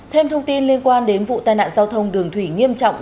thêm thông tin liên quan đến vụ tai nạn giao thông đường thủy nghiêm trọng